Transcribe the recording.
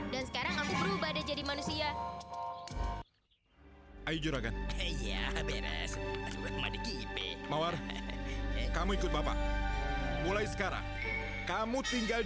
bu gendis nggak apa apa kan